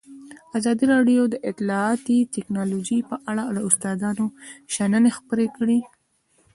ازادي راډیو د اطلاعاتی تکنالوژي په اړه د استادانو شننې خپرې کړي.